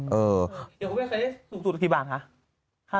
เดี๋ยวเขาบอกว่าใครสูงสูตรกี่บาทค่ะ